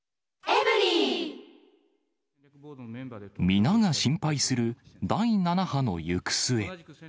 皆が心配する第７波の行く末。